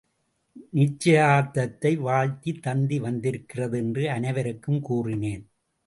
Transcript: நிச்சயதார்த்தத்தை வாழ்த்தி தந்தி வந்திருக்கிறது என்று அனைவருக்கும் கூறினேன்.